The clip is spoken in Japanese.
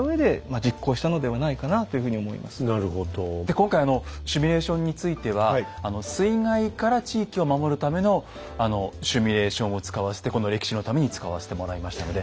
今回シミュレーションについては水害から地域を守るためのシミュレーションを使わせてこの歴史のために使わせてもらいましたので。